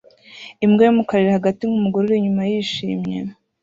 Imbwa yumukara iri hagati nkumugore uri inyuma yishimye